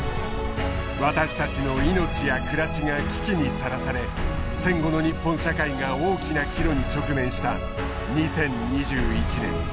私たちの命や暮らしが危機にさらされ戦後の日本社会が大きな岐路に直面した２０２１年。